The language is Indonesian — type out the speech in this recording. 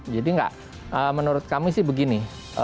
jadi nggak menurut kami sih begini